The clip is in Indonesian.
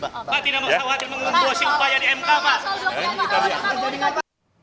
pak tidak mau khawatir mengontrosi upaya di mk pak